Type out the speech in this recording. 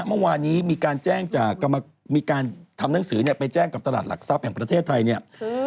เมื่อวานนี้มีการทำหนังสือไปแจ้งกับตลาดหลักทรัพย์แห่งประเทศไทย